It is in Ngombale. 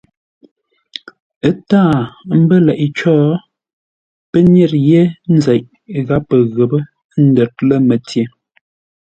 Ə́ táa mbə́ có leʼé, pə́ nyə̂r yé nzeʼ gháp pə ghəpə́ ə́ ndə̌r lə̂ mətyer.